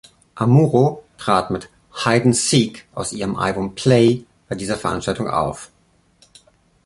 Amuro trat mit "Hide and Seek" aus ihrem Album "Play" bei dieser Veranstaltung auf.